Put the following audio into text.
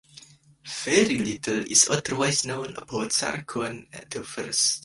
Very little is otherwise known about Sargon the First.